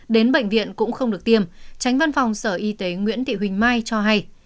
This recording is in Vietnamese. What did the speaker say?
đến bệnh viện cũng không được tiêm tránh văn phòng sở y tế nguyễn thị huỳnh mai cho hay